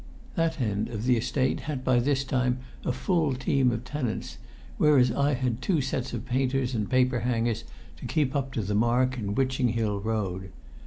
That end of the Estate had by this time a full team of tenants, whereas I had two sets of painters and paperhangers to keep up to the mark in Witching Hill Road.